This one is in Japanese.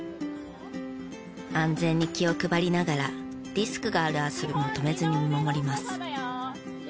安全に気を配りながらリスクがある遊びも止めずに見守ります。